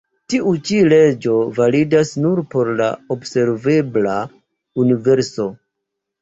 Tiu-ĉi leĝo validas nur por la observebla universo.